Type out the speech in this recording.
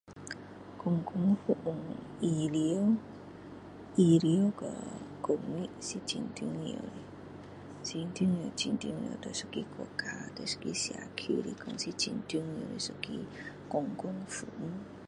公共服务椅子和公是很重要的很重要很重要对一个国家和一个社区来说是一个很重要的公共服务